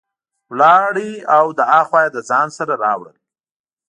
ولاړ او له ها خوا یې له ځان سره راوړل.